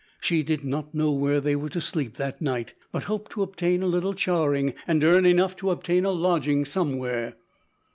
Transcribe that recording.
She did not know where they were to sleep that night, but hoped to obtain a little charing and earn enough to obtain a lodging somewhere.